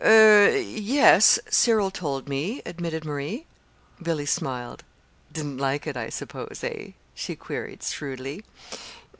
"Er yes, Cyril told me," admitted Marie. Billy smiled. "Didn't like it, I suppose; eh?" she queried shrewdly.